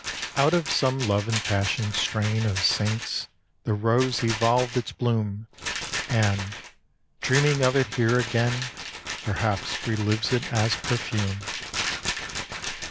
Out of some love impassioned strain Of saints, the rose evolved its bloom; And, dreaming of it here again, Perhaps re lives it as perfume.